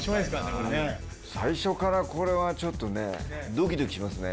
これね最初からこれはちょっとねドキドキしますね